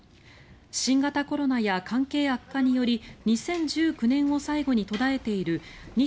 新型コロナや関係悪化により２０１９年を最後に途絶えている日